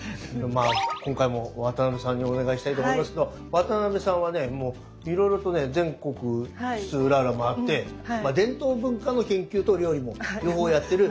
まあ今回も渡辺さんにお願いしたいと思いますけども渡辺さんはねもういろいろとね全国津々浦々回ってまあ伝統文化の研究と料理も両方やってる。